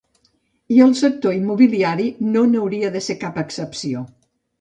I el sector immobiliari no n’hauria de ser cap excepció.